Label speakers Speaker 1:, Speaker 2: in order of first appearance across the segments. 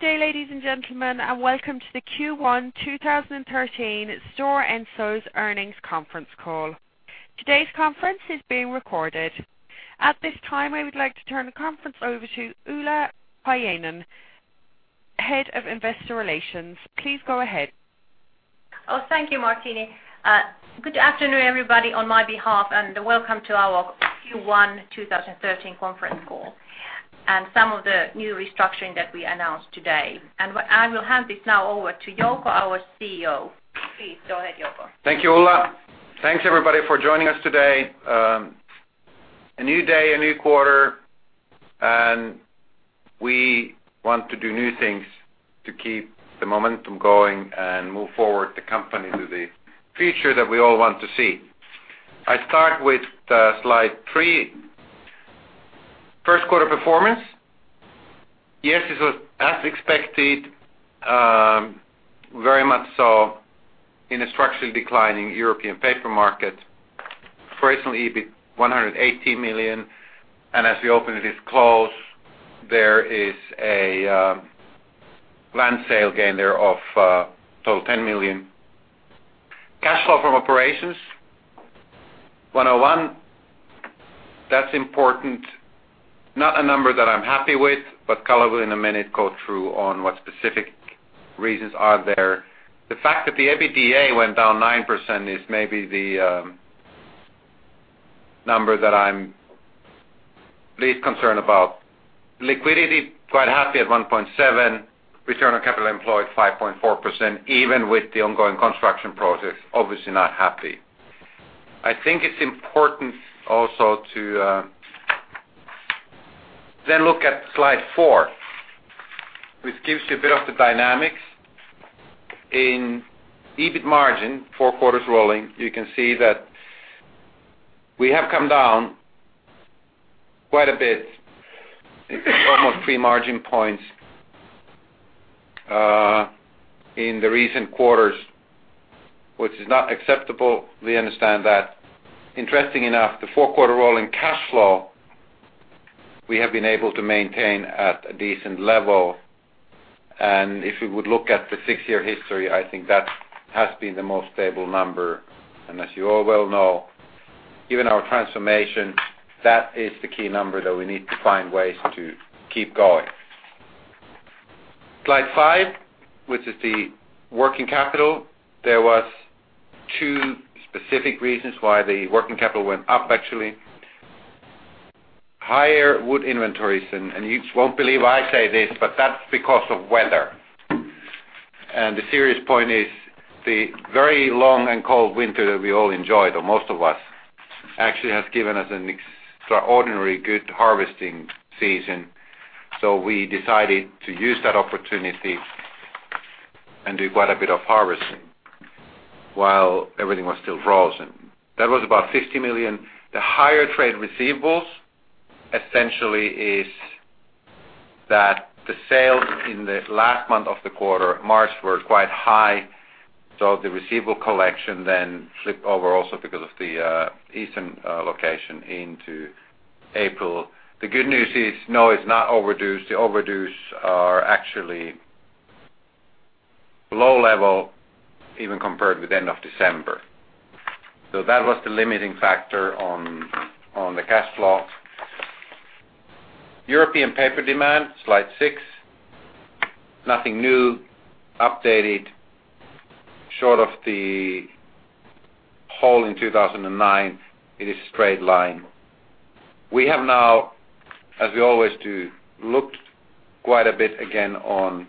Speaker 1: Good day, ladies and gentlemen, and welcome to the Q1 2013 Stora Enso's earnings conference call. Today's conference is being recorded. At this time, we would like to turn the conference over to Ulla Paajanen-Sainio, Head of Investor Relations. Please go ahead.
Speaker 2: Thank you, Martin. Good afternoon, everybody, on my behalf, and welcome to our Q1 2013 conference call and some of the new restructuring that we announced today. I will hand this now over to Jouko, our CEO. Please go, Jouko.
Speaker 3: Thank you, Ulla. Thanks, everybody, for joining us today. A new day, a new quarter, and we want to do new things to keep the momentum going and move forward the company to the future that we all want to see. I start with slide three. First quarter performance. Yes, it was as expected, very much so in a structurally declining European paper market. Operational EBIT, 118 million, and as we open this close, there is a land sale gain there of total 10 million. Cash flow from operations, 101 million. That's important. Not a number that I'm happy with, Karl will, in a minute, go through on what specific reasons are there. The fact that the EBITDA went down 9% is maybe the number that I'm least concerned about. Liquidity, quite happy at 1.7. Return on capital employed, 5.4%, even with the ongoing construction process, obviously not happy. I think it's important also to then look at slide four, which gives you a bit of the dynamics. In EBIT margin, four quarters rolling, you can see that we have come down quite a bit, almost three margin points, in the recent quarters, which is not acceptable. We understand that. Interesting enough, the four-quarter rolling cash flow, we have been able to maintain at a decent level. If we would look at the six-year history, I think that has been the most stable number. As you all well know, given our transformation, that is the key number that we need to find ways to keep going. Slide five, which is the working capital. There was two specific reasons why the working capital went up, actually. Higher wood inventories, and you won't believe I say this, that's because of weather. The serious point is the very long and cold winter that we all enjoyed, or most of us, actually has given us an extraordinary good harvesting season. We decided to use that opportunity and do quite a bit of harvesting while everything was still frozen. That was about 50 million. The higher trade receivables essentially is that the sales in the last month of the quarter, March, were quite high, so the receivable collection flipped over also because of the Eastern location into April. The good news is, no, it is not overdue. The overdue are actually low level, even compared with end of December. That was the limiting factor on the cash flow. European paper demand, slide six. Nothing new, updated. Short of the hole in 2009, it is a straight line. We have now, as we always do, looked quite a bit again on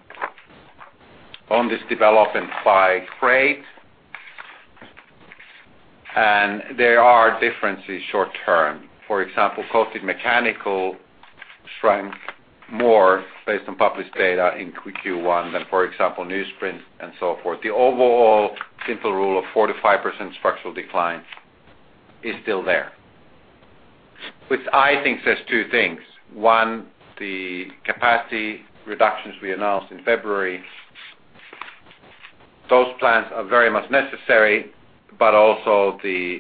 Speaker 3: this development by freight. There are differences short-term. For example, coated mechanical shrank more based on published data in Q1 than, for example, newsprint and so forth. The overall simple rule of 4%-5% structural decline is still there, which I think says two things. One, the capacity reductions we announced in February, those plans are very much necessary, but also the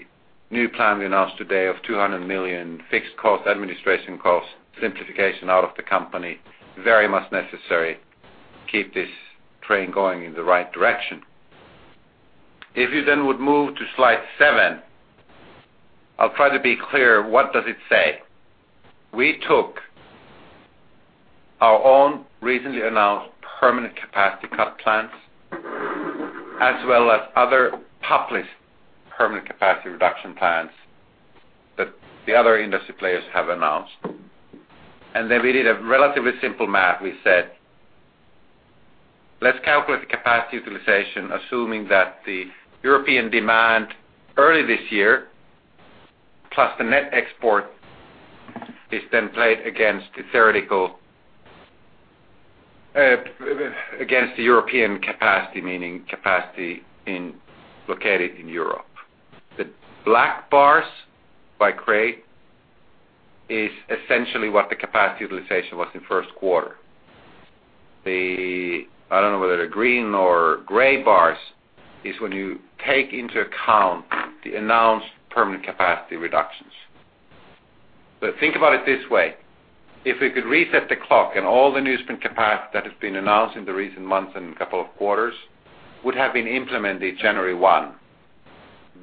Speaker 3: new plan we announced today of 200 million fixed cost, administration cost simplification out of the company, very much necessary. Keep this train going in the right direction. If you would move to slide seven, I will try to be clear, what does it say? We took our own recently announced permanent capacity cut plans, as well as other published permanent capacity reduction plans that the other industry players have announced. We did a relatively simple math. We said, "Let's calculate the capacity utilization, assuming that the European demand early this year, plus the net export is played against the European capacity," meaning capacity located in Europe. The black bars by crate is essentially what the capacity utilization was in first quarter. The, I don't know whether they are green or gray bars, is when you take into account the announced permanent capacity reductions. Think about it this way. If we could reset the clock and all the newsprint capacity that has been announced in the recent months and couple of quarters would have been implemented January 1.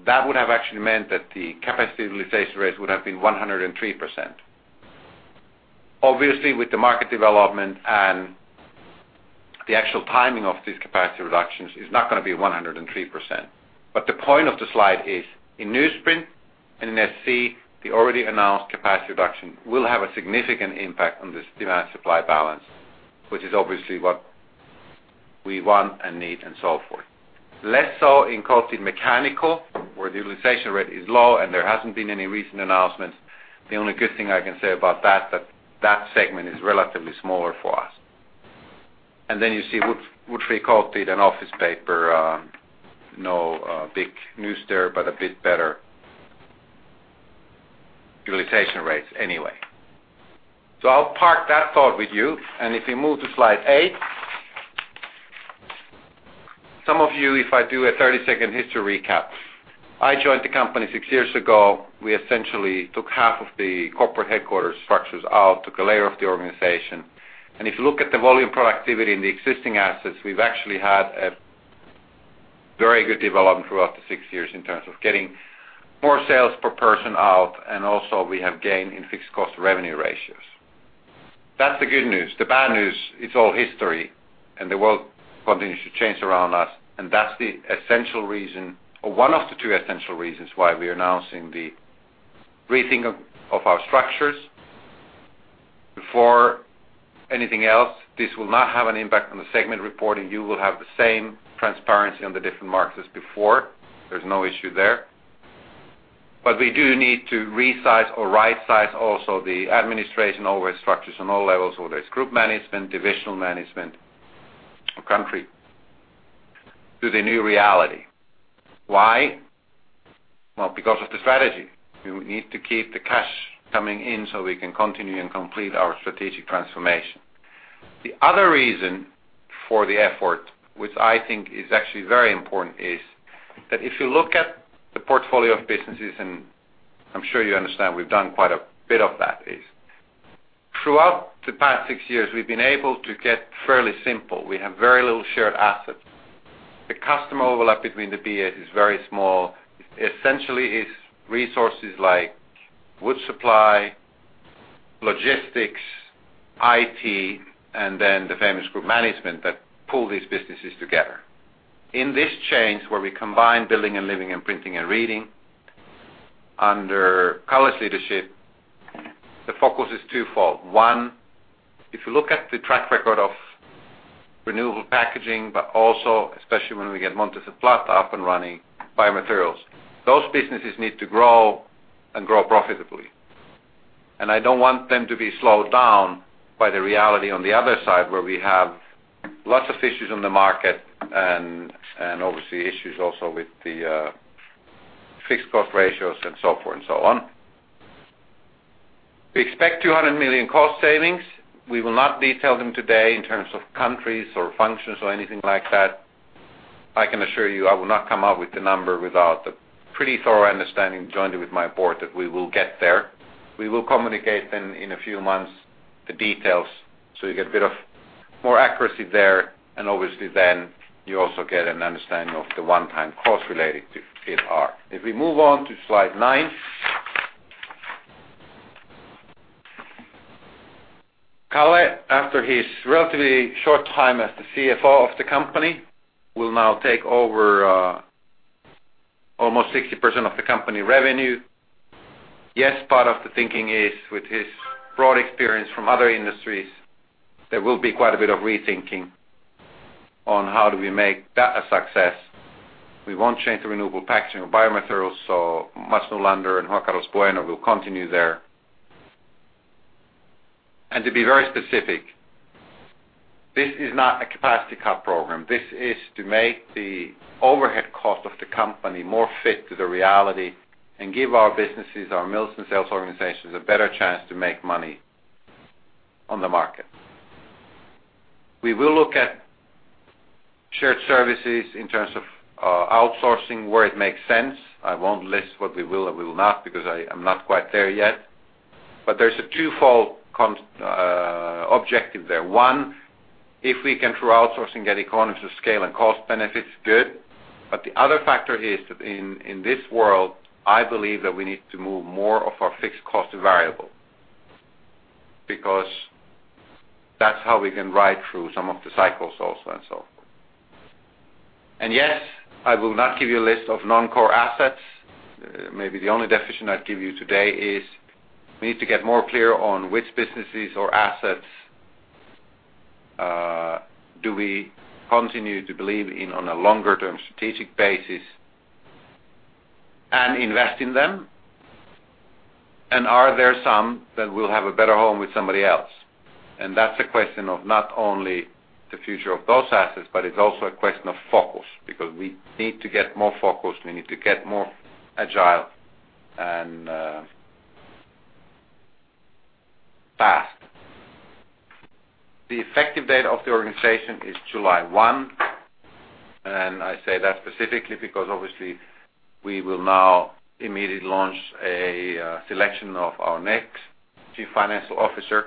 Speaker 3: That would have actually meant that the capacity utilization rates would have been 103%. Obviously, with the market development and the actual timing of these capacity reductions is not going to be 103%. The point of the slide is, in newsprint and in SC, the already announced capacity reduction will have a significant impact on this demand-supply balance, which is obviously what we want and need and so forth. Less so in coated mechanical, where the utilization rate is low and there has not been any recent announcements. The only good thing I can say about that segment is relatively smaller for us. You see woodfree coated and office paper. No big news there, but a bit better utilization rates anyway. I will park that thought with you. If we move to slide eight. Some of you, if I do a 30-second history recap, I joined the company six years ago. We essentially took half of the corporate headquarters structures out, took a layer of the organization. If you look at the volume productivity in the existing assets, we've actually had a very good development throughout the six years in terms of getting more sales per person out, and also we have gain in fixed cost revenue ratios. That's the good news. The bad news, it's all history, and the world continues to change around us, and that's the essential reason or one of the two essential reasons why we are announcing the rethink of our structures. Before anything else, this will not have an impact on the segment reporting. You will have the same transparency on the different markets before. There's no issue there. We do need to resize or rightsize also the administration overhead structures on all levels, whether it's group management, divisional management or country to the new reality. Why? Well, because of the strategy. We need to keep the cash coming in so we can continue and complete our strategic transformation. The other reason for the effort, which I think is actually very important, is that if you look at the portfolio of businesses, I'm sure you understand we've done quite a bit of that, is throughout the past six years, we've been able to get fairly simple. We have very little shared assets. The customer overlap between the business is very small. Essentially, it's resources like wood supply, logistics, IT, and then the famous group management that pull these businesses together. In this change where we combine building and living and printing and reading under Karl's leadership, the focus is twofold. One, if you look at the track record of renewable packaging, but also especially when we get Montes del Plata up and running, biomaterials, those businesses need to grow and grow profitably. I don't want them to be slowed down by the reality on the other side, where we have lots of issues on the market and obviously issues also with the fixed cost ratios and so forth and so on. We expect 200 million cost savings. We will not detail them today in terms of countries or functions or anything like that. I can assure you, I will not come out with the number without a pretty thorough understanding jointly with my board that we will get there. We will communicate then in a few months the details, so you get a bit of more accuracy there, and obviously then you also get an understanding of the one-time cost related to it. If we move on to slide nine. Karl, after his relatively short time as the CFO of the company, will now take over almost 60% of the company revenue. Yes, part of the thinking is with his broad experience from other industries, there will be quite a bit of rethinking on how do we make that a success. We won't change the renewable packaging of biomaterials, so Mats Nylund and Juan Carlos Bueno will continue there. To be very specific, this is not a capacity cut program. This is to make the overhead cost of the company more fit to the reality and give our businesses, our mills and sales organizations, a better chance to make money on the market. We will look at shared services in terms of outsourcing where it makes sense. I won't list what we will and will not because I am not quite there yet. There's a twofold objective there. One, if we can, through outsourcing, get economies of scale and cost benefits, good. The other factor is that in this world, I believe that we need to move more of our fixed cost to variable because that's how we can ride through some of the cycles also and so forth. Yes, I will not give you a list of non-core assets. Maybe the only definition I'd give you today is we need to get more clear on which businesses or assets do we continue to believe in on a longer-term strategic basis and invest in them, and are there some that will have a better home with somebody else? That's a question of not only the future of those assets, but it's also a question of focus because we need to get more focused. We need to get more agile and fast. The effective date of the organization is July 1. I say that specifically because obviously we will now immediately launch a selection of our next Chief Financial Officer.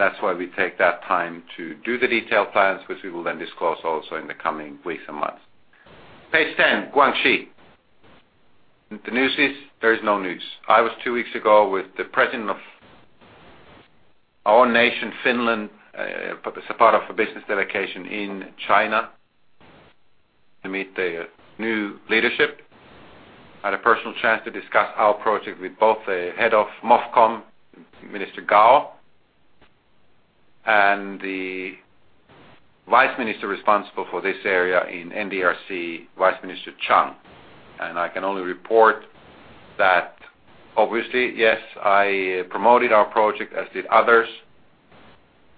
Speaker 3: That's why we take that time to do the detailed plans, which we will then disclose also in the coming weeks and months. Page 10, Guangxi. The news is there is no news. I was 2 weeks ago with the president of our nation, Finland, as a part of a business delegation in China to meet the new leadership. Had a personal chance to discuss our project with both the head of MOFCOM, Minister Gao, and the Vice Minister responsible for this area in NDRC, Vice Minister Chung. I can only report that obviously, yes, I promoted our project, as did others.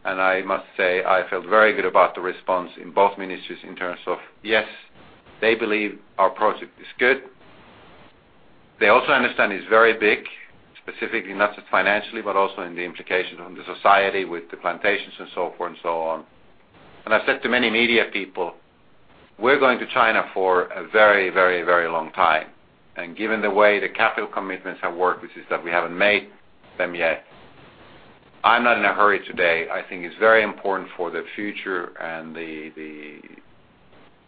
Speaker 3: I must say I felt very good about the response in both ministries in terms of, yes, they believe our project is good. They also understand it's very big, specifically not just financially, but also in the implications on the society with the plantations and so forth and so on. I said to many media people, we're going to China for a very long time, and given the way the capital commitments have worked, which is that we haven't made them yet, I'm not in a hurry today. I think it's very important for the future and the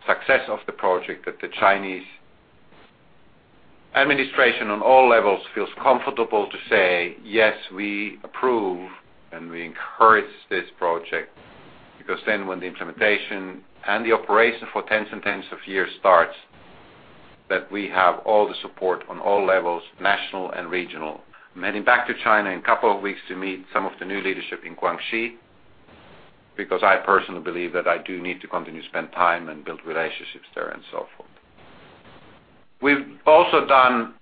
Speaker 3: success of the project that the Chinese administration on all levels feels comfortable to say, "Yes, we approve, and we encourage this project." Then when the implementation and the operation for tens and tens of years starts, that we have all the support on all levels, national and regional. I'm heading back to China in 2 weeks to meet some of the new leadership in Guangxi, because I personally believe that I do need to continue to spend time and build relationships there and so forth. We've also done,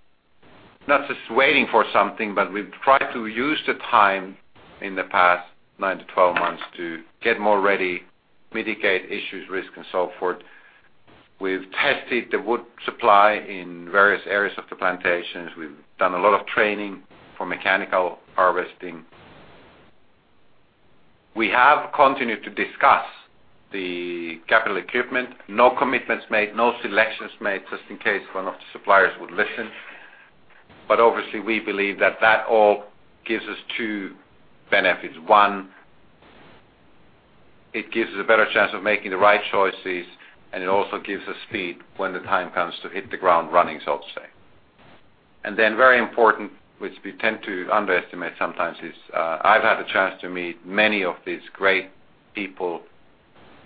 Speaker 3: not just waiting for something, but we've tried to use the time in the past 9 to 12 months to get more ready, mitigate issues, risk, and so forth. We've tested the wood supply in various areas of the plantations. We've done a lot of training for mechanical harvesting. We have continued to discuss the capital equipment. No commitments made, no selections made, just in case one of the suppliers would listen. Obviously, we believe that that all gives us 2 benefits. One, it gives us a better chance of making the right choices, it also gives us speed when the time comes to hit the ground running, so to say. Very important, which we tend to underestimate sometimes, is I've had a chance to meet many of these great people,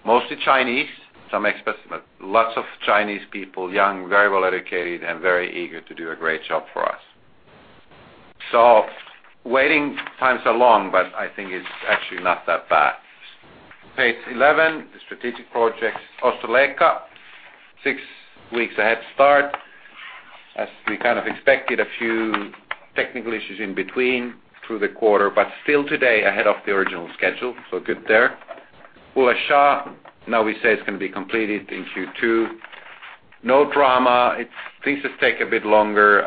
Speaker 3: mostly Chinese, some experts, but lots of Chinese people, young, very well-educated, and very eager to do a great job for us. Waiting times are long, but I think it's actually not that bad. Page 11, the strategic projects. Ostrołęka, six weeks ahead start. As we kind of expected, a few technical issues in between through the quarter, but still today ahead of the original schedule, good there. Bulleh Shah, now we say it's going to be completed in Q2. No drama. Things just take a bit longer.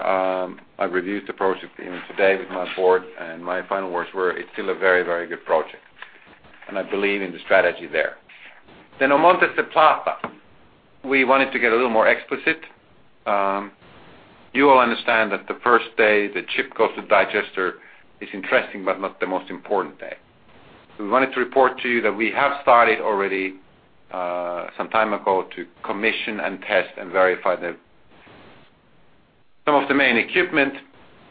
Speaker 3: I've reviewed the project even today with my board, my final words were, it's still a very good project, and I believe in the strategy there. On Montes del Plata, we wanted to get a little more explicit. You all understand that the first day the chip goes to digester is interesting, but not the most important day. We wanted to report to you that we have started already, some time ago, to commission and test and verify some of the main equipment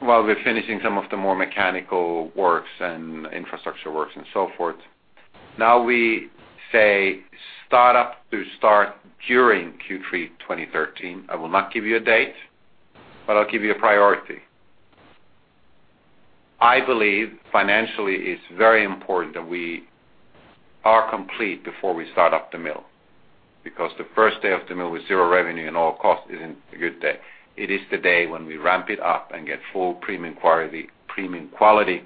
Speaker 3: while we're finishing some of the more mechanical works and infrastructure works and so forth. Now we say start-up to start during Q3 2013. I will not give you a date, but I'll give you a priority. I believe financially it's very important that we are complete before we start up the mill, because the first day of the mill with zero revenue and all costs isn't a good day. It is the day when we ramp it up and get full premium quality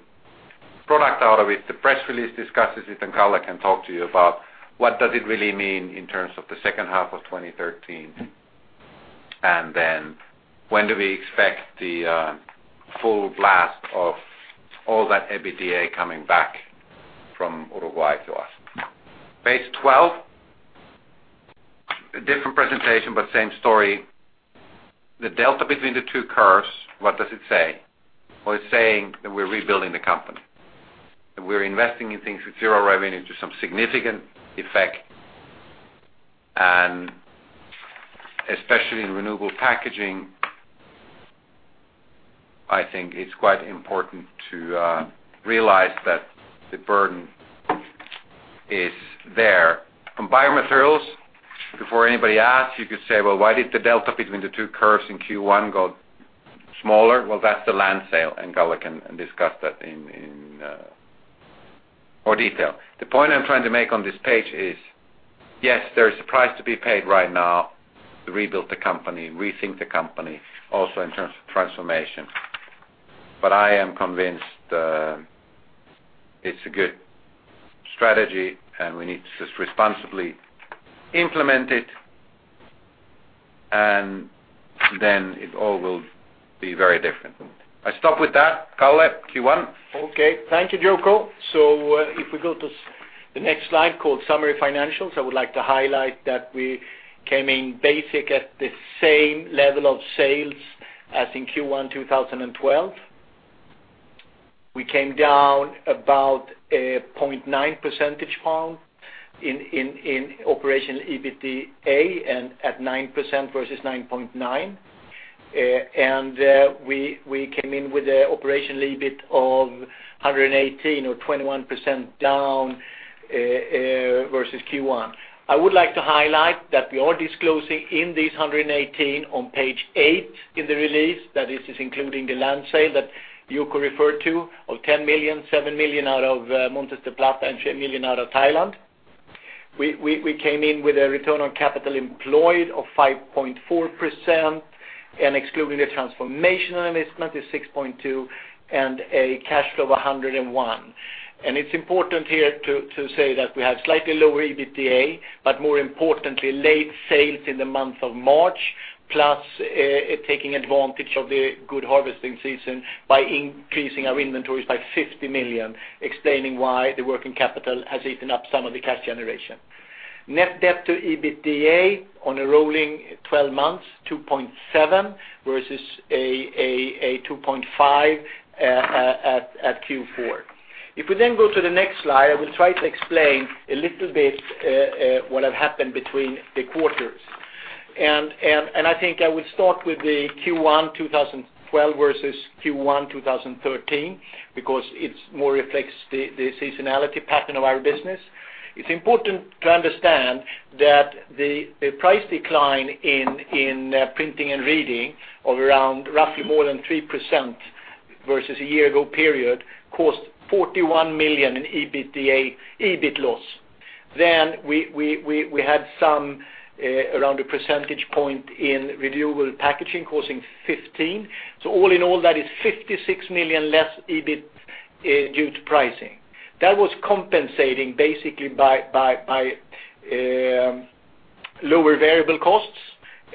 Speaker 3: product out of it. The press release discusses it, Karl can talk to you about what does it really mean in terms of the second half of 2013, when do we expect the full blast of all that EBITDA coming back from Uruguay to us. Page 12. A different presentation, but same story. The delta between the two curves, what does it say? It's saying that we're rebuilding the company. That we're investing in things with zero revenue to some significant effect, and especially in renewable packaging, I think it's quite important to realize that the burden is there. On biomaterials, before anybody asks, you could say, "Why did the delta between the two curves in Q1 go smaller?" That's the land sale, Karl can discuss that in more detail. The point I'm trying to make on this page is, yes, there is a price to be paid right now to rebuild the company, rethink the company, also in terms of transformation. I am convinced it's a good strategy, we need to just responsibly implement it. It all will be very different. I stop with that. Karl, Q1.
Speaker 4: Okay. Thank you, Jouko. If we go to the next slide, called summary financials, I would like to highlight that we came in basic at the same level of sales as in Q1 2012. We came down about 0.9 percentage point in operational EBITDA and at 9% versus 9.9%. We came in with an operational EBIT of 118 million or 21% down versus Q1. I would like to highlight that we are disclosing in these 118 million on page eight in the release, that this is including the land sale that Jouko referred to of 10 million, 7 million out of Montes del Plata and 3 million out of Thailand. We came in with a return on capital employed of 5.4%, and excluding the transformation element is 6.2 and a cash flow of 101 million. It's important here to say that we have slightly lower EBITDA, but more importantly, late sales in the month of March, plus taking advantage of the good harvesting season by increasing our inventories by 50 million, explaining why the working capital has eaten up some of the cash generation. Net debt to EBITDA on a rolling 12 months, 2.7 versus 2.5 at Q4. If we go to the next slide, I will try to explain a little bit what have happened between the quarters. I think I would start with the Q1 2012 versus Q1 2013, because it more reflects the seasonality pattern of our business. It's important to understand that the price decline in printing and reading of around roughly more than 3% versus a year ago period cost 41 million in EBIT loss. We had some around a percentage point in renewable packaging costing 15 million. All in all, that is 56 million less EBIT due to pricing. That was compensating basically by lower variable costs,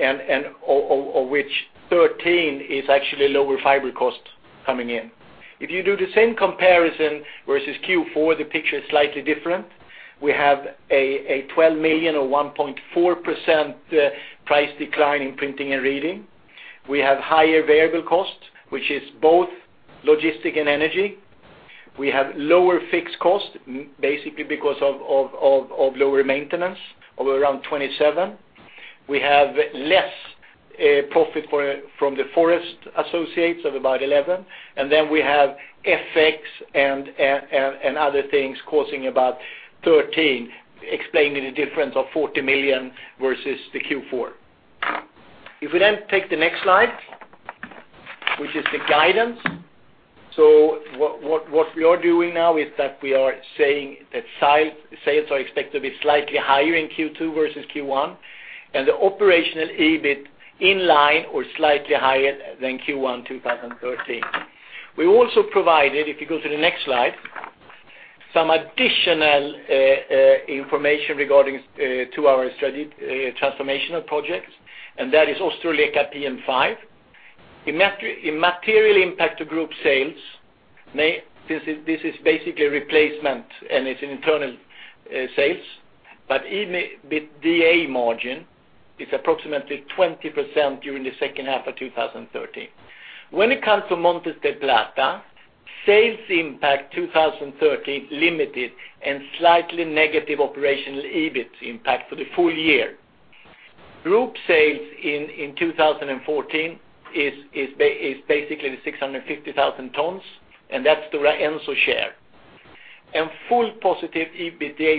Speaker 4: of which 13 million is actually lower fiber cost coming in. If you do the same comparison versus Q4, the picture is slightly different. We have a 12 million or 1.4% price decline in printing and reading. We have higher variable costs, which is both logistics and energy. We have lower fixed costs, basically because of lower maintenance of around 27 million. We have less profit from the forest associates of about 11 million. We have FX and other things costing about 13 million, explaining the difference of 40 million versus the Q4. If we take the next slide, which is the guidance. What we are doing now is that we are saying that sales are expected to be slightly higher in Q2 versus Q1, and the operational EBIT in line or slightly higher than Q1 2013. We also provided, if you go to the next slide, some additional information regarding to our transformational projects, and that is Ostrołęka PM5. No material impact to group sales, this is basically a replacement and it's an internal sales. But EBITDA margin is approximately 20% during the second half of 2013. When it comes to Montes del Plata, sales impact 2013 is limited and slightly negative operational EBIT impact for the full year. Group sales in 2014 is basically the 650,000 tons, and that's the Stora Enso share. Full positive EBITDA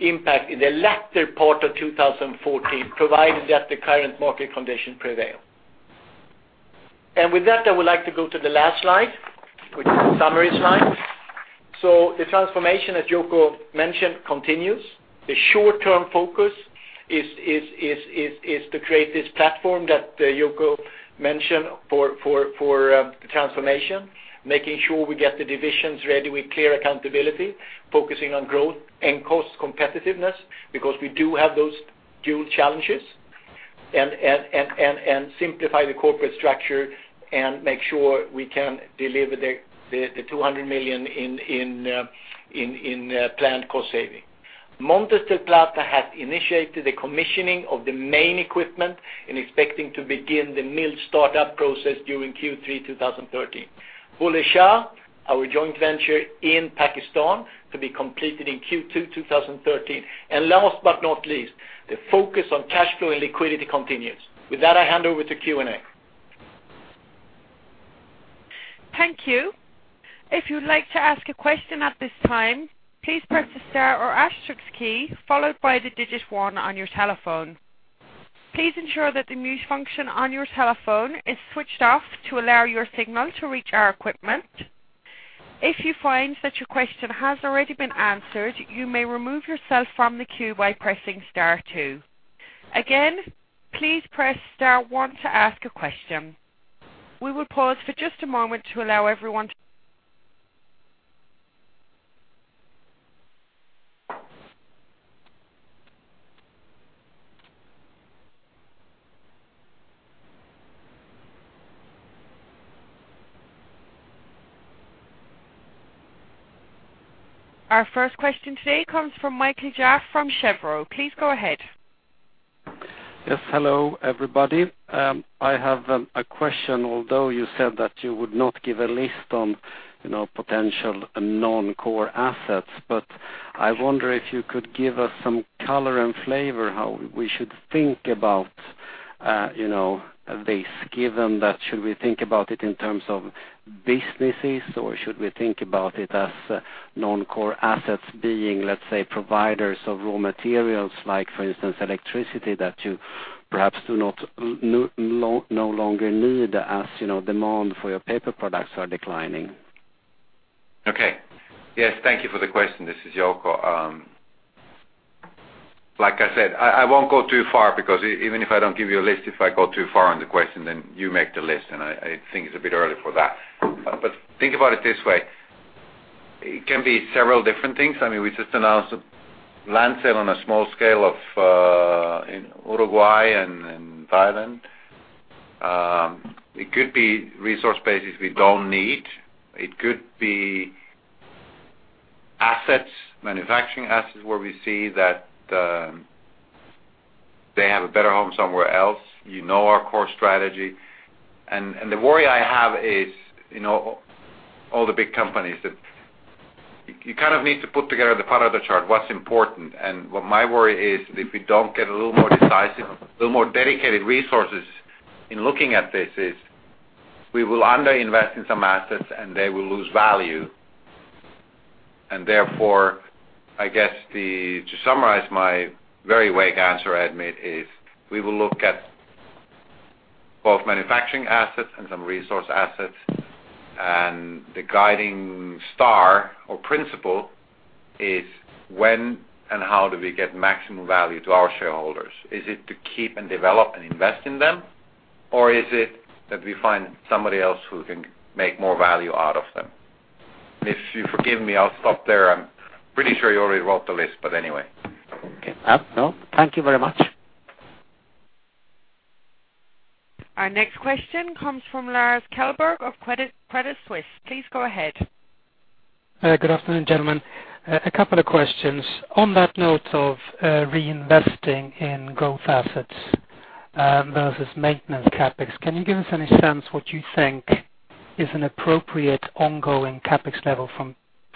Speaker 4: impact in the latter part of 2014, provided that the current market conditions prevail. With that, I would like to go to the last slide, which is the summary slide. The transformation that Jouko mentioned continues. The short-term focus is to create this platform that Jouko mentioned for the transformation, making sure we get the divisions ready with clear accountability, focusing on growth and cost competitiveness because we do have those dual challenges, and simplify the corporate structure and make sure we can deliver the 200 million in planned cost saving. Montes del Plata has initiated the commissioning of the main equipment and expecting to begin the mill startup process during Q3 2013. Bulleh Shah, our joint venture in Pakistan to be completed in Q2 2013. Last but not least, the focus on cash flow and liquidity continues. With that, I hand over to Q&A.
Speaker 1: Thank you. If you'd like to ask a question at this time, please press the star or asterisk key followed by the digit 1 on your telephone. Please ensure that the mute function on your telephone is switched off to allow your signal to reach our equipment. If you find that your question has already been answered, you may remove yourself from the queue by pressing star two. Again, please press star one to ask a question. We will pause for just a moment to allow everyone to. Our first question today comes from Mikael Jafs from Cheuvreux. Please go ahead.
Speaker 5: Yes. Hello, everybody. I have a question. Although you said that you would not give a list on potential non-core assets, but I wonder if you could give us some color and flavor how we should think about this, given that should we think about it in terms of businesses or should we think about it as non-core assets being, let's say, providers of raw materials like, for instance, electricity that you perhaps no longer need as demand for your paper products are declining?
Speaker 3: Okay. Yes, thank you for the question. This is Jouko. Like I said, I won't go too far because even if I don't give you a list, if I go too far on the question, then you make the list, and I think it's a bit early for that. Think about it this way. It can be several different things. We just announced a land sale on a small scale in Uruguay and Thailand. It could be resource bases we don't need. It could be assets, manufacturing assets, where we see that they have a better home somewhere else. You know our core strategy. The worry I have is all the big companies that you kind of need to put together the part of the chart, what's important. What my worry is, if we don't get a little more decisive, a little more dedicated resources in looking at this is we will under-invest in some assets, and they will lose value. Therefore, I guess to summarize my very vague answer, I admit, is we will look at both manufacturing assets and some resource assets. The guiding star or principle is when and how do we get maximum value to our shareholders? Is it to keep and develop and invest in them, or is it that we find somebody else who can make more value out of them? If you forgive me, I'll stop there. I'm pretty sure you already wrote the list, but anyway.
Speaker 5: Okay. No, thank you very much.
Speaker 1: Our next question comes from Lars Kjellberg of Credit Suisse. Please go ahead.
Speaker 6: Good afternoon, gentlemen. A couple of questions. On that note of reinvesting in growth assets versus maintenance CapEx, can you give us any sense what you think is an appropriate ongoing CapEx level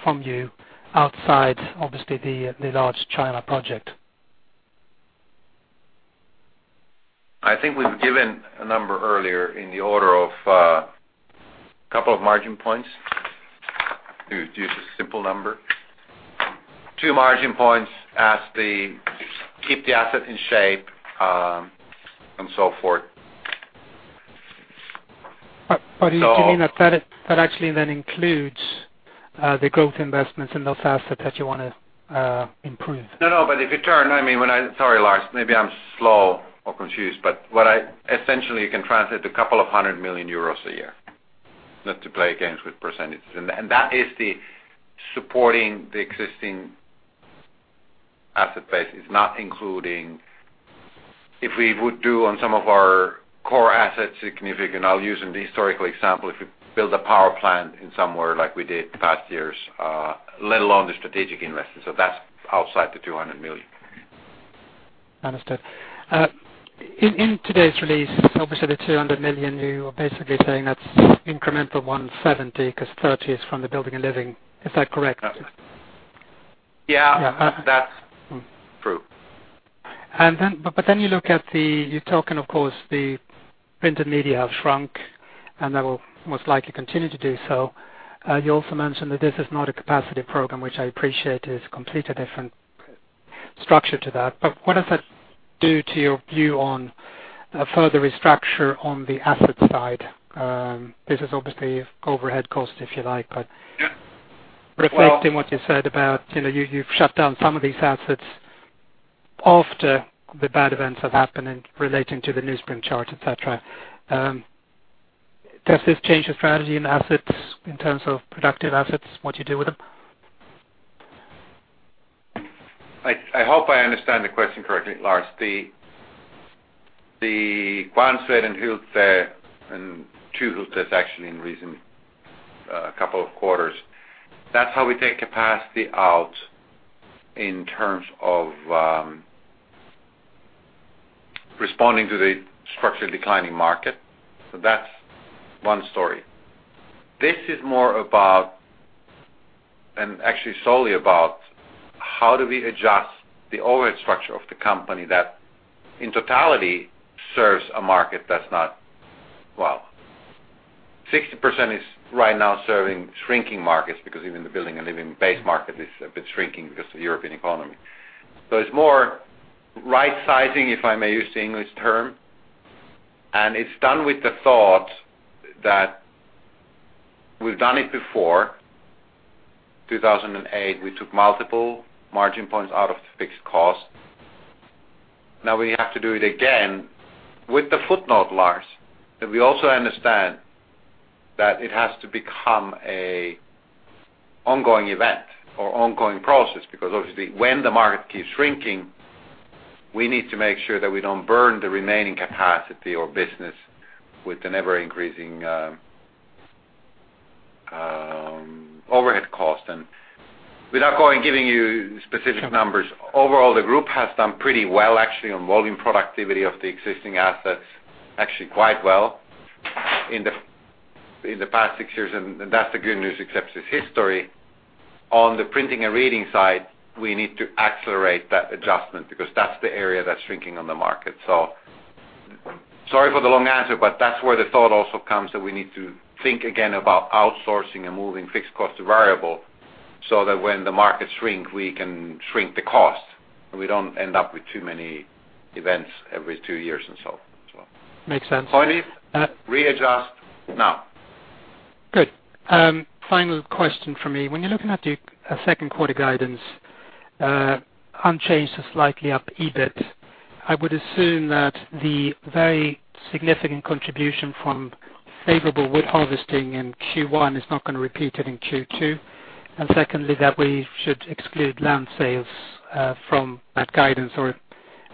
Speaker 6: from you outside, obviously, the large China project?
Speaker 3: I think we've given a number earlier in the order of a couple of margin points. To use a simple number. Two margin points as the keep the asset in shape, and so forth.
Speaker 6: Do you mean that actually then includes the growth investments in those assets that you want to improve?
Speaker 3: No, if you turn Sorry, Lars. Maybe I'm slow or confused, what I essentially can translate a couple of hundred million EUR a year. Not to play games with percentages. That is the supporting the existing asset base. It's not including if we would do on some of our core assets significant. I'll use an historical example. If we build a power plant in somewhere like we did the past years, let alone the strategic investment. That's outside the 200 million.
Speaker 6: Understood. In today's release, obviously the 200 million, you are basically saying that's incremental 170 because 30 is from the building and living. Is that correct?
Speaker 3: Yeah.
Speaker 6: Yeah.
Speaker 3: That's true.
Speaker 6: You're talking, of course, the printed media have shrunk, and they will most likely continue to do so. You also mentioned that this is not a capacity program, which I appreciate is completely different structure to that. What does that do to your view on a further restructure on the asset side? This is obviously overhead cost, if you like, but.
Speaker 3: Yeah.
Speaker 6: Reflecting what you said about you've shut down some of these assets after the bad events have happened and relating to the newsprint chart, et cetera. Does this change your strategy in assets in terms of productive assets, what you do with them?
Speaker 3: I hope I understand the question correctly, Lars. The Kvarnsveden and Husum, and two Husums actually in recent couple of quarters. That's how we take capacity out in terms of responding to the structured declining market. That's one story. This is more about, and actually solely about how do we adjust the overhead structure of the company that in totality serves a market that's not Well, 60% is right now serving shrinking markets because even the building and living base market is a bit shrinking because of the European economy. It's more right sizing, if I may use the English term. It's done with the thought that we've done it before. 2008, we took multiple margin points out of the fixed cost. We have to do it again with the footnote, Lars, that we also understand that it has to become a ongoing event or ongoing process, because obviously when the market keeps shrinking, we need to make sure that we don't burn the remaining capacity or business with an ever-increasing overhead cost. Without giving you specific numbers, overall, the group has done pretty well, actually, on volume productivity of the existing assets, actually quite well in the past six years, and that's the good news, except it's history. On the printing and reading side, we need to accelerate that adjustment because that's the area that's shrinking on the market. Sorry for the long answer, that's where the thought also comes that we need to think again about outsourcing and moving fixed cost to variable so that when the markets shrink, we can shrink the cost, and we don't end up with too many events every two years and so.
Speaker 6: Makes sense.
Speaker 3: Point is, readjust now.
Speaker 6: Good. Final question from me. When you're looking at your second quarter guidance, unchanged to slightly up EBIT, I would assume that the very significant contribution from favorable wood harvesting in Q1 is not going to repeat it in Q2. Secondly, that we should exclude land sales from that guidance, or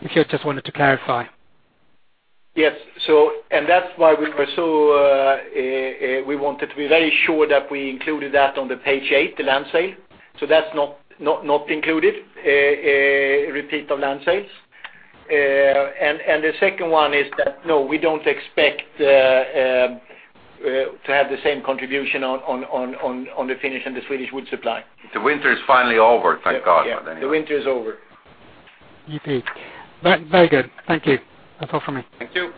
Speaker 6: if you just wanted to clarify.
Speaker 4: Yes. That's why we wanted to be very sure that we included that on the page eight, the land sale. That's not included, a repeat of land sales. The second one is that no, we don't expect to have the same contribution on the Finnish and the Swedish wood supply.
Speaker 3: The winter is finally over, thank God.
Speaker 4: Yeah. The winter is over.
Speaker 6: Indeed. Very good. Thank you. That's all from me.
Speaker 4: Thank you.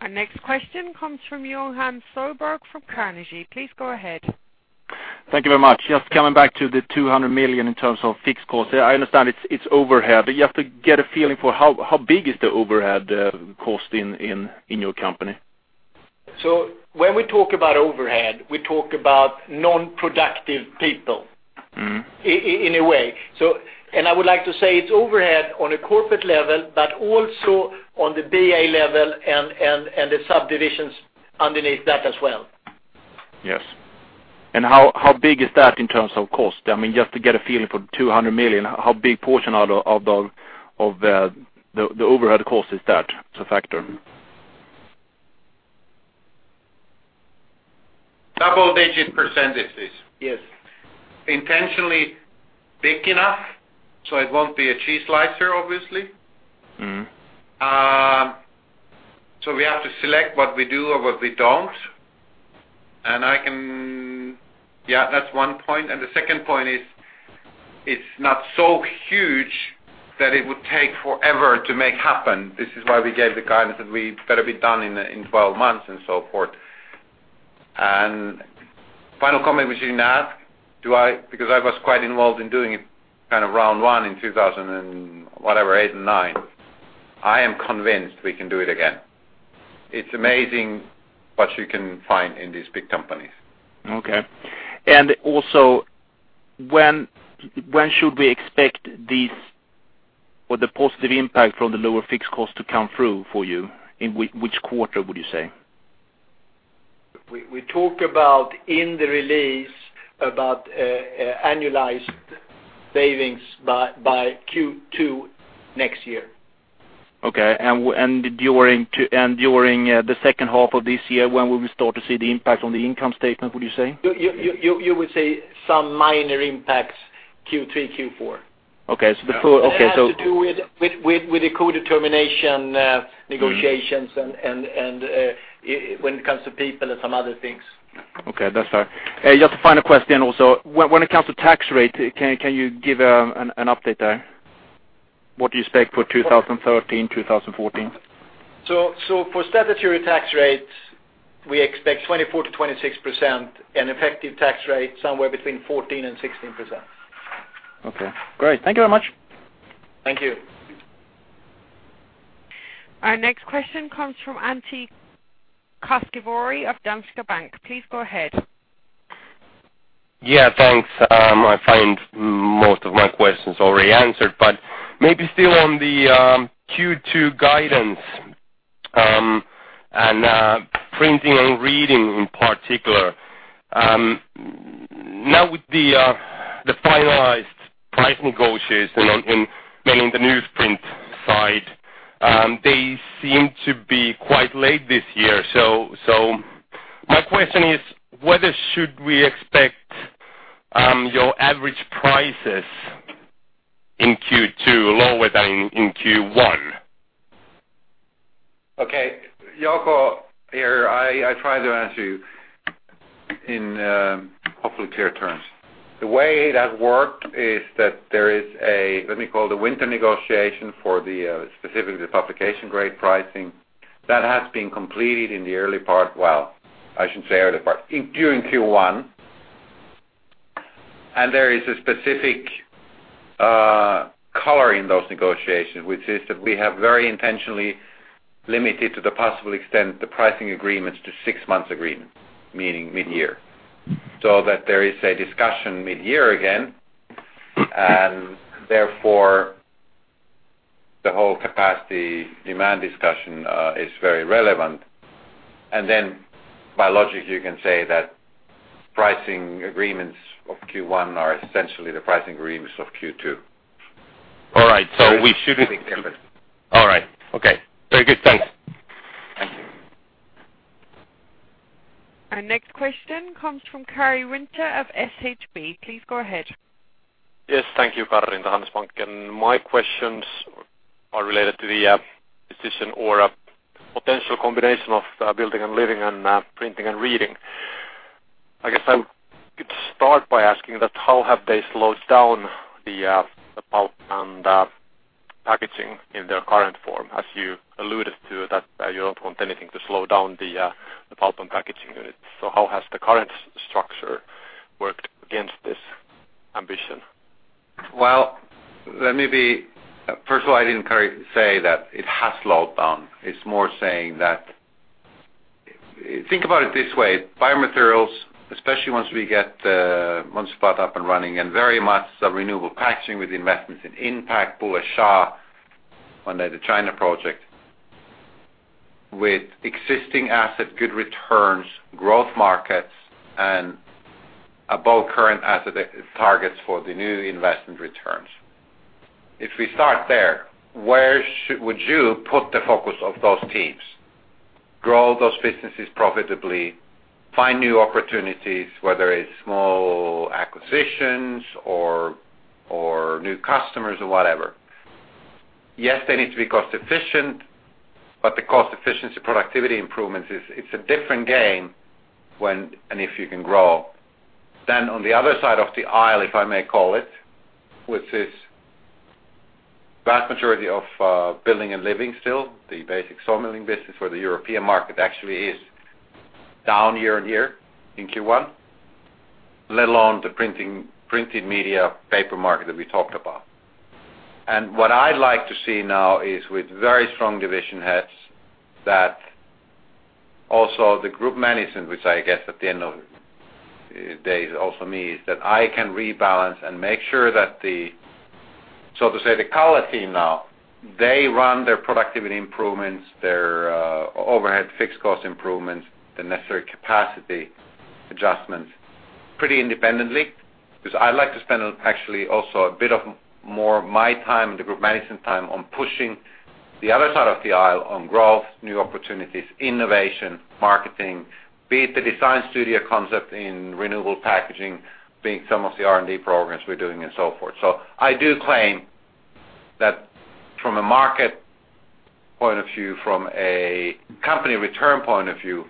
Speaker 1: Our next question comes from Johan Sjöberg from Carnegie. Please go ahead.
Speaker 7: Thank you very much. Just coming back to the 200 million in terms of fixed costs. I understand it's overhead, but you have to get a feeling for how big is the overhead cost in your company?
Speaker 4: When we talk about overhead, we talk about non-productive people- In a way. I would like to say it's overhead on a corporate level, but also on the BA level and the subdivisions underneath that as well.
Speaker 7: Yes. How big is that in terms of cost? Just to get a feeling for $200 million, how big portion of the overhead cost is that, as a factor?
Speaker 4: Double-digit %.
Speaker 7: Yes.
Speaker 3: Intentionally big enough, so it won't be a cheese slicer, obviously. We have to select what we do or what we don't. Yeah, that's one point. The second point is, it's not so huge that it would take forever to make happen. This is why we gave the guidance that it's got to be done in 12 months and so forth. Final comment, which you didn't ask, because I was quite involved in doing it round one in 2008 and 2009, I am convinced we can do it again. It's amazing what you can find in these big companies.
Speaker 7: Okay. Also, when should we expect these, or the positive impact from the lower fixed cost to come through for you? In which quarter would you say?
Speaker 4: We talk about in the release about annualized savings by Q2 next year.
Speaker 7: Okay. During the second half of this year, when will we start to see the impact on the income statement, would you say?
Speaker 4: You would see some minor impacts Q3, Q4.
Speaker 7: Okay.
Speaker 3: Yeah.
Speaker 4: It has to do with the co-determination negotiations and when it comes to people and some other things.
Speaker 7: Okay. That's fine. Just a final question also. When it comes to tax rate, can you give an update there? What do you expect for 2013, 2014?
Speaker 4: For statutory tax rate, we expect 24%-26%, and effective tax rate somewhere between 14% and 16%.
Speaker 7: Okay, great. Thank you very much.
Speaker 4: Thank you.
Speaker 1: Our next question comes from Antti Koskivuori of Danske Bank. Please go ahead.
Speaker 8: Thanks. Maybe still on the Q2 guidance, and printing and reading in particular. With the finalized price negotiation on mainly the newsprint side, they seem to be quite late this year. My question is, whether should we expect your average prices in Q2 lower than in Q1?
Speaker 3: Okay. Jouko here. I try to answer you in hopefully clear terms. The way that worked is that there is, let me call it a winter negotiation for the specific publication grade pricing. That has been completed in the early part, well, I shouldn't say early part, during Q1. There is a specific color in those negotiations, which is that we have very intentionally limited to the possible extent the pricing agreements to six months agreements, meaning mid-year. That there is a discussion mid-year again, and therefore the whole capacity demand discussion is very relevant. By logic, you can say that pricing agreements of Q1 are essentially the pricing agreements of Q2.
Speaker 8: All right. All right. Okay. Very good. Thanks.
Speaker 3: Thank you.
Speaker 1: Our next question comes from Kari Winter of SHB. Please go ahead.
Speaker 9: Yes. Thank you, Kari Winter, SHB. My questions are related to the decision or potential combination of building and living and printing and reading. I guess I could start by asking that how have they slowed down the pulp and packaging in their current form, as you alluded to that you don't want anything to slow down the pulp and packaging units. How has the current structure worked against this ambition?
Speaker 3: Well, first of all, I didn't quite say that it has slowed down. It's more saying that. Think about it this way, biomaterials, especially once we get one spot up and running, and very much the renewable packaging with the investments in Inpac, Bulleh Shah, and then the China project, with existing asset good returns, growth markets, and above current asset targets for the new investment returns. If we start there, where would you put the focus of those teams? Grow those businesses profitably, find new opportunities, whether it's small acquisitions or new customers or whatever. Yes, they need to be cost efficient, but the cost efficiency, productivity improvements, it's a different game and if you can grow. On the other side of the aisle, if I may call it, which is vast majority of building and living still, the basic sawmilling business for the European market actually is down year-on-year in Q1, let alone the printing media paper market that we talked about. What I'd like to see now is with very strong division heads, that also the group management, which I guess at the end of the day is also me, is that I can rebalance and make sure that the, so to say, the Karl team now, they run their productivity improvements, their overhead fixed cost improvements, the necessary capacity adjustments pretty independently. I like to spend actually also a bit of more my time and the group management time on pushing the other side of the aisle on growth, new opportunities, innovation, marketing. Be it the design studio concept in renewable packaging, be it some of the R&D programs we're doing and so forth. I do claim that from a market point of view, from a company return point of view,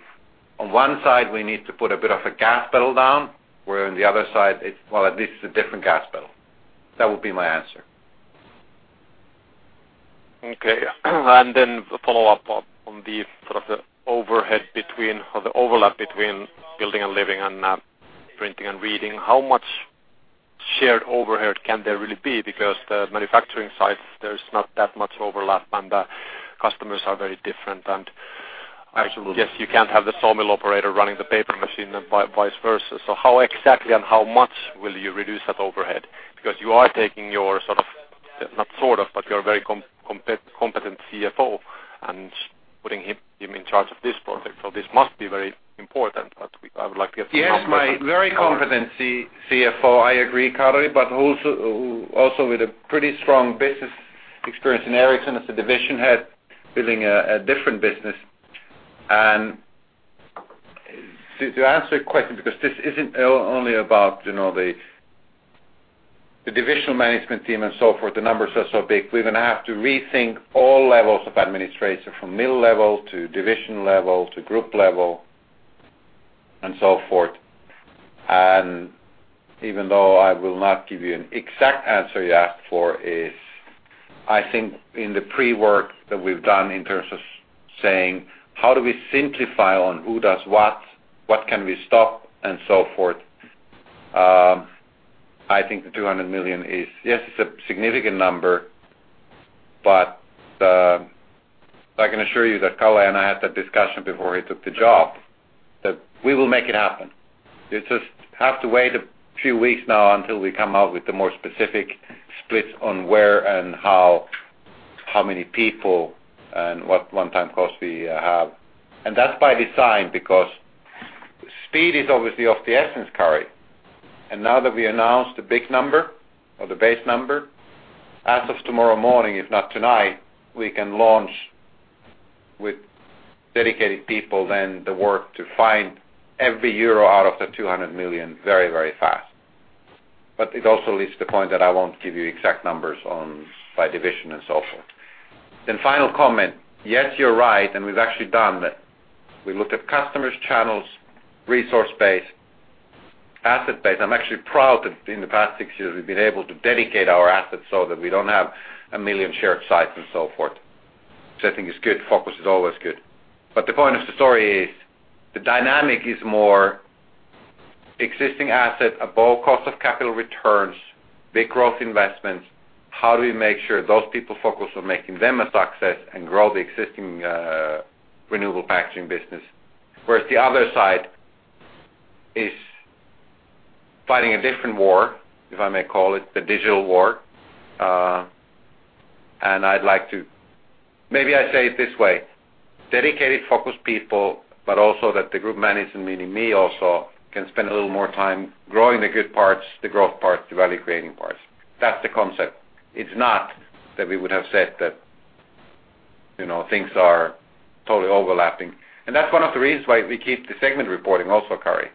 Speaker 3: on one side, we need to put a bit of a gas pedal down, where on the other side Well, at least it's a different gas pedal. That would be my answer.
Speaker 9: Then a follow-up on the overlap between building and living and printing and reading. How much shared overhead can there really be? Because the manufacturing side, there's not that much overlap, and the customers are very different.
Speaker 3: Absolutely
Speaker 9: I guess you can't have the sawmill operator running the paper machine and vice versa. How exactly and how much will you reduce that overhead? Because you are taking your very competent CFO and putting him in charge of this project. This must be very important, but I would like to get some numbers.
Speaker 3: Yes, my very competent CFO, I agree, Kari, but also with a pretty strong business experience in Ericsson as a division head, building a different business. To answer your question, because this isn't only about the divisional management team and so forth. The numbers are so big, we're going to have to rethink all levels of administration, from middle level to division level to group level and so forth. Even though I will not give you an exact answer you asked for is, I think in the pre-work that we've done in terms of saying, how do we simplify on who does what? What can we stop? And so forth. I think the 200 million, yes, it's a significant number, but I can assure you that Karl and I had that discussion before he took the job, that we will make it happen. You just have to wait a few weeks now until we come out with the more specific splits on where and how many people and what one-time cost we have. That's by design because speed is obviously of the essence, Kari. Now that we announced the big number or the base number, as of tomorrow morning, if not tonight, we can launch with dedicated people then the work to find every euro out of the 200 million very, very fast. It also leads to the point that I won't give you exact numbers by division and so forth. Final comment. Yes, you're right, and we've actually done that. We looked at customers channels, resource base, asset base. I'm actually proud that in the past six years, we've been able to dedicate our assets so that we don't have one million shared sites and so forth. Which I think is good. Focus is always good. The point of the story is the dynamic is more Existing asset above cost of capital returns, big growth investments. How do we make sure those people focus on making them a success and grow the existing renewable packaging business? Whereas the other side is fighting a different war, if I may call it, the digital war. Maybe I say it this way, dedicated focused people, but also that the group management, meaning me also, can spend a little more time growing the good parts, the growth parts, the value-creating parts. That's the concept. It's not that we would have said that things are totally overlapping. That's one of the reasons why we keep the segment reporting also, Kari.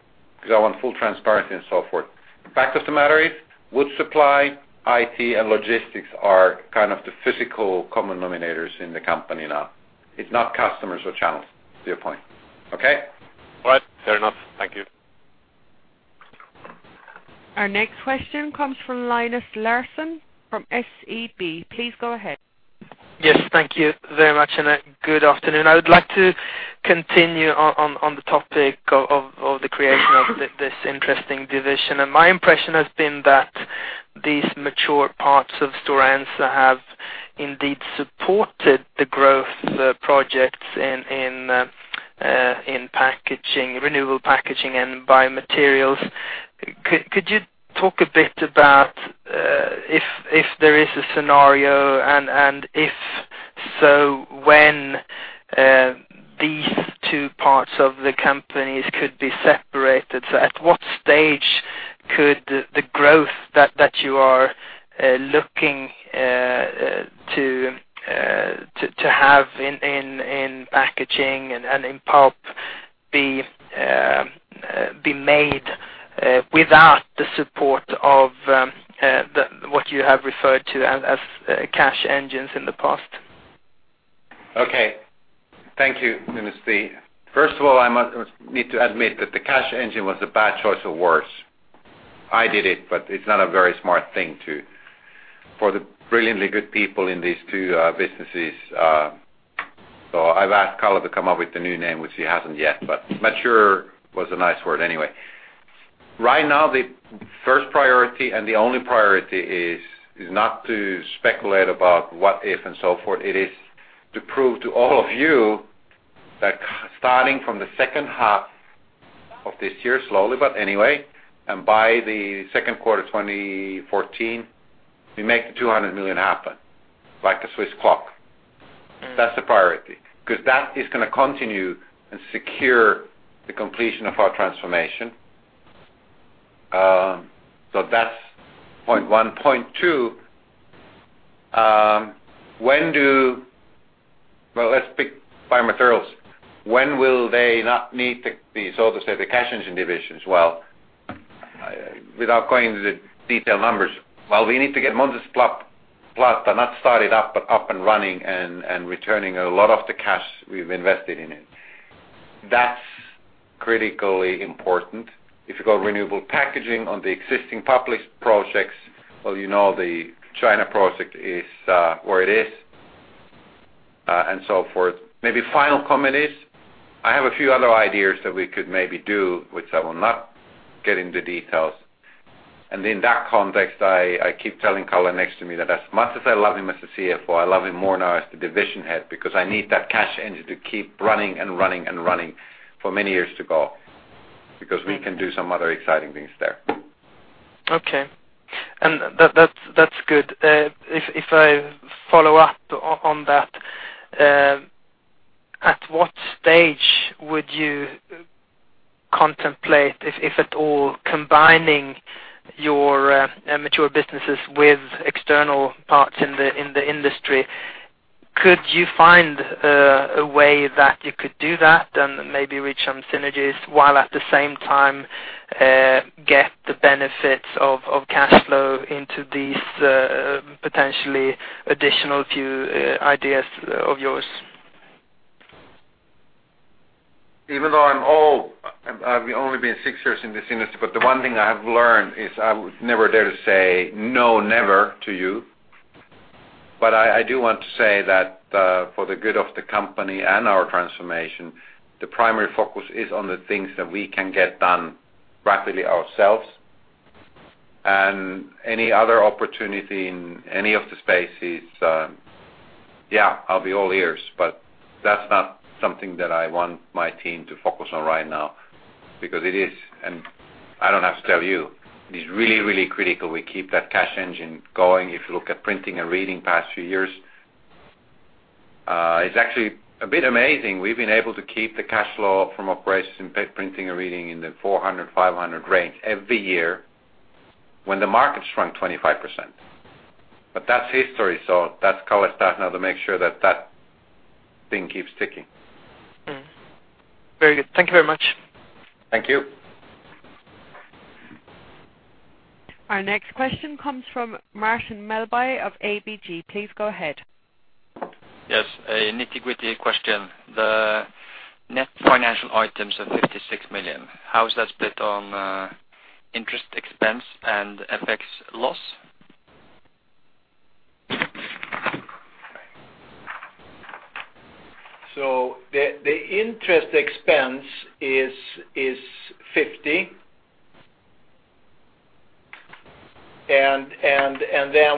Speaker 3: I want full transparency and so forth. The fact of the matter is, wood supply, IT, and logistics are kind of the physical common denominators in the company now. It's not customers or channels, to your point. Okay.
Speaker 9: All right. Fair enough. Thank you.
Speaker 1: Our next question comes from Linus Larsson from SEB. Please go ahead.
Speaker 10: Yes, thank you very much. Good afternoon. My impression has been that these mature parts of Stora Enso have indeed supported the growth projects in renewable packaging and Biomaterials. Could you talk a bit about if there is a scenario and if so, when these two parts of the companies could be separated? At what stage could the growth that you are looking to have in packaging and in pulp be made without the support of what you have referred to as cash engines in the past?
Speaker 3: Thank you, Linus. First of all, I need to admit that the cash engine was a bad choice of words. I did it, but it's not a very smart thing for the brilliantly good people in these two businesses. I've asked Carla to come up with the new name, which he hasn't yet. Mature was a nice word anyway. Right now, the first priority and the only priority is not to speculate about what if and so forth. It is to prove to all of you that starting from the second half of this year, slowly but anyway, by the second quarter 2014, we make the 200 million happen like a Swiss clock. That's the priority. That is going to continue and secure the completion of our transformation. That's point one. Point two, let's pick Biomaterials. When will they not need these, so to say, the cash engine divisions? Without going into the detailed numbers, while we need to get not started up, but up and running and returning a lot of the cash we've invested in it. That's critically important. If you go renewable packaging on the existing published projects, well, you know the China project is where it is, and so forth. Maybe final comment is, I have a few other ideas that we could maybe do, which I will not get into details. In that context, I keep telling Carla next to me that as much as I love him as a CFO, I love him more now as the division head because I need that cash engine to keep running and running and running for many years to go, because we can do some other exciting things there.
Speaker 10: That's good. If I follow up on that, at what stage would you contemplate, if at all, combining your mature businesses with external parts in the industry? Could you find a way that you could do that and maybe reach some synergies while at the same time get the benefits of cash flow into these potentially additional few ideas of yours?
Speaker 3: Even though I've only been six years in this industry, the one thing I have learned is I would never dare to say no, never to you. I do want to say that for the good of the company and our transformation, the primary focus is on the things that we can get done rapidly ourselves. Any other opportunity in any of the spaces, yeah, I'll be all ears, but that's not something that I want my team to focus on right now because it is, and I don't have to tell you. It is really, really critical we keep that cash engine going. If you look at printing and reading past few years, it's actually a bit amazing. We've been able to keep the cash flow from operations in printing and reading in the 400, 500 range every year when the market's shrunk 25%. That's history, so that's Carla's task now to make sure that thing keeps ticking.
Speaker 10: Very good. Thank you very much.
Speaker 3: Thank you.
Speaker 1: Our next question comes from Martin Melbye of ABG. Please go ahead.
Speaker 11: Yes, a nitty-gritty question. The net financial items are 56 million. How is that split on interest expense and FX loss?
Speaker 4: The interest expense is EUR 50.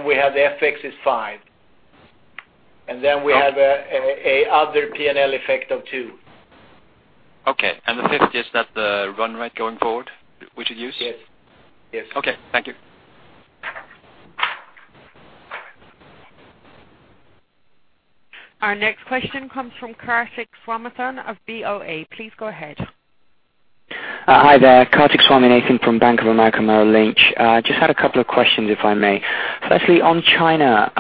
Speaker 4: We have the FX is 5. We have other P&L effect of 2.
Speaker 11: Okay. The EUR 50, is that the run rate going forward, which you use?
Speaker 3: Yes.
Speaker 11: Okay, thank you.
Speaker 1: Our next question comes from Kartik Swaminathan of BofA. Please go ahead.
Speaker 12: Hi there, Kartik Swaminathan from Bank of America Merrill Lynch. Just had a couple of questions, if I may. Firstly, on China,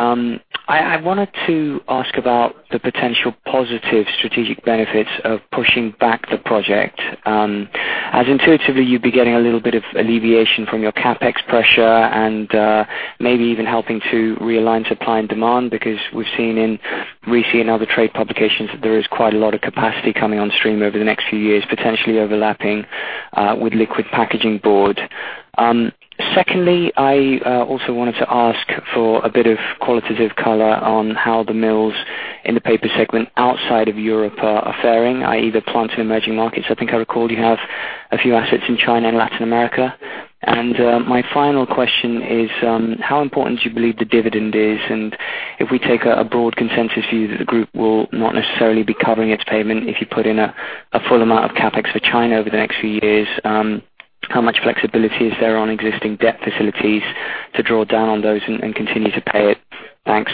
Speaker 12: I wanted to ask about the potential positive strategic benefits of pushing back the project, as intuitively, you'd be getting a little bit of alleviation from your CapEx pressure and maybe even helping to realign supply and demand, because we've seen in recent other trade publications that there is quite a lot of capacity coming on stream over the next few years, potentially overlapping with liquid packaging board. Secondly, I also wanted to ask for a bit of qualitative color on how the mills in the paper segment outside of Europe are fairing, i.e., the plants in emerging markets. I think I recall you have a few assets in China and Latin America. My final question is, how important do you believe the dividend is? If we take a broad consensus view that the group will not necessarily be covering its payment, if you put in a full amount of CapEx for China over the next few years, how much flexibility is there on existing debt facilities to draw down on those and continue to pay it? Thanks.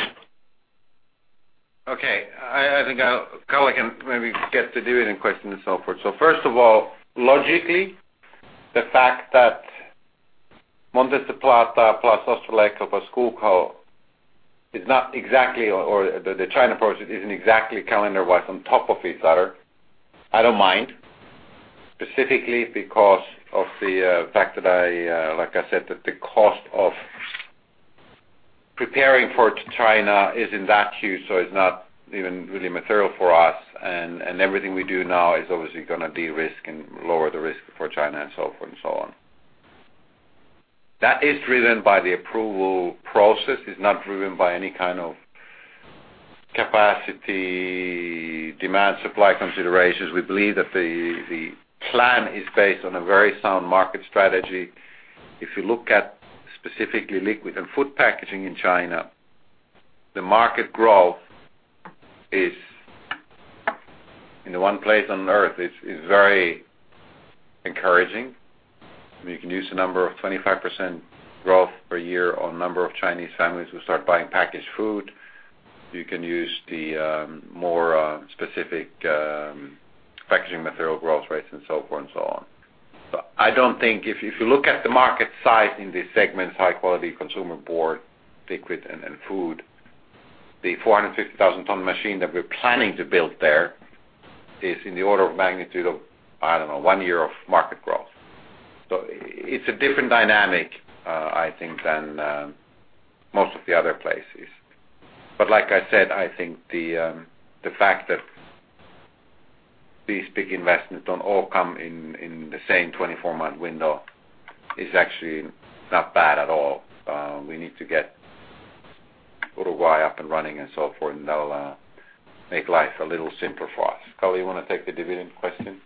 Speaker 3: Okay. I think Karl can maybe get to do it in question and so forth. First of all, logically, the fact that Montes del Plata plus Ostrołęka plus Oulu isn't exactly calendar-wise on top of each other, I don't mind, specifically because of the fact that, like I said, that the cost of preparing for China is in that queue, so it's not even really material for us, and everything we do now is obviously going to de-risk and lower the risk for China and so forth and so on. That is driven by the approval process. It's not driven by any kind of capacity, demand, supply considerations. We believe that the plan is based on a very sound market strategy. If you look at specifically liquid and food packaging in China, the market growth is in the one place on Earth. It's very encouraging. You can use the number of 25% growth per year on number of Chinese families who start buying packaged food. You can use the more specific packaging material growth rates and so forth and so on. I don't think if you look at the market size in these segments, high quality consumer board, liquid, and food, the 450,000 ton machine that we're planning to build there is in the order of magnitude of, I don't know, one year of market growth. It's a different dynamic, I think, than most of the other places. But like I said, I think the fact that these big investments don't all come in the same 24-month window is actually not bad at all. We need to get Uruguay up and running and so forth, and that'll make life a little simpler for us. Karl, you want to take the dividend question?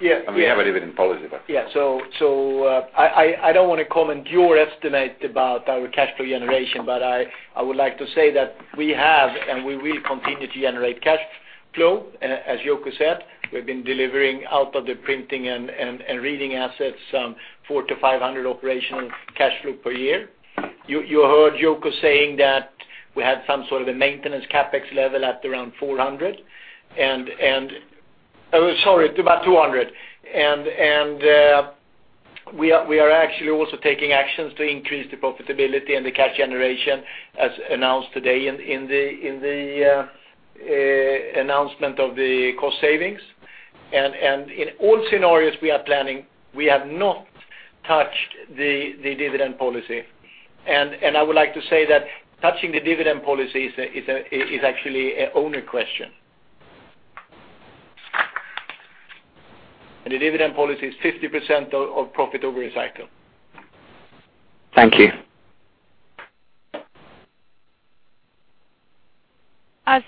Speaker 4: Yeah.
Speaker 3: We have a dividend policy.
Speaker 4: Yeah. I don't want to comment your estimate about our cash flow generation, but I would like to say that we have, and we will continue to generate cash flow. As Jouko said, we've been delivering out of the printing and reading assets 400-500 operational cash flow per year. You heard Jouko saying that we had some sort of a maintenance CapEx level at around 400. Sorry, about 200. We are actually also taking actions to increase the profitability and the cash generation as announced today in the announcement of the cost savings. In all scenarios we are planning, we have not touched the dividend policy. I would like to say that touching the dividend policy is actually an owner question. The dividend policy is 50% of profit over a cycle.
Speaker 12: Thank you.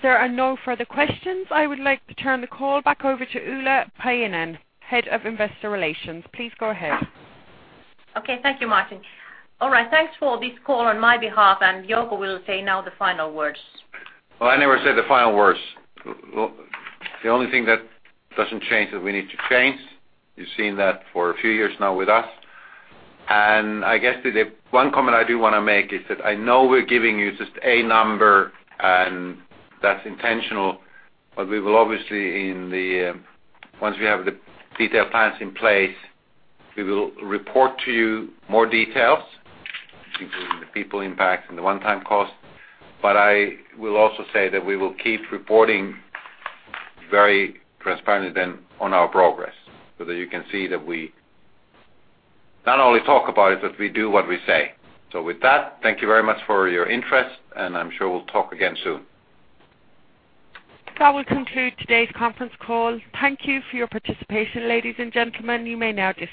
Speaker 1: There are no further questions, I would like to turn the call back over to Ulla Paajanen-Sainio, Head of Investor Relations. Please go ahead.
Speaker 2: Okay. Thank you, Martin. All right. Thanks for this call on my behalf, and Jouko will say now the final words.
Speaker 3: Well, I never say the final words. The only thing that doesn't change that we need to change, you've seen that for a few years now with us. I guess the one comment I do want to make is that I know we're giving you just a number, and that's intentional, but we will obviously, once we have the detailed plans in place, we will report to you more details, including the people impact and the one-time cost. I will also say that we will keep reporting very transparent then on our progress, so that you can see that we not only talk about it, but we do what we say. With that, thank you very much for your interest, and I'm sure we'll talk again soon.
Speaker 1: That will conclude today's conference call. Thank you for your participation, ladies and gentlemen. You may now disconnect.